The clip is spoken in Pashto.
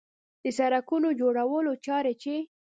د سړکونو جوړولو چارې چې